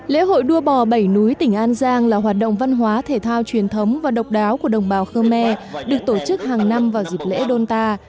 lễ hội đua bò bảy núi tỉnh an giang là hoạt động văn hóa thể thao truyền thống và độc đáo của đồng bào khơ me được tổ chức hàng năm vào dịp lễ donta